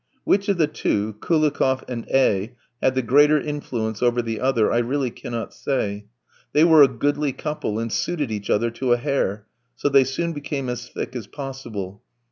Which of the two, Koulikoff and A v, had the greater influence over the other I really cannot say; they were a goodly couple, and suited each other to a hair, so they soon became as thick as possible.